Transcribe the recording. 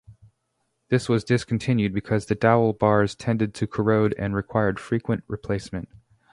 This was discontinued because the dowel bars tended to corrode and required frequent replacement.